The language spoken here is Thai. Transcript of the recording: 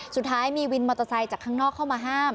สุดท้ายมีวินมอเตอร์ไซค์จากข้างนอกเข้ามาห้าม